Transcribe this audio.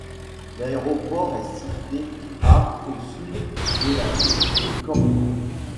L'aéroport est situé à au sud de la ville de Corfou.